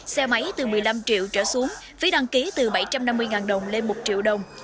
xe máy từ một mươi năm triệu trở xuống phí đăng ký từ bảy trăm năm mươi đồng lên một triệu đồng